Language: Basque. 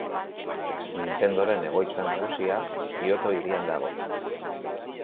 Nintendoren egoitza nagusia Kyoto hirian dago.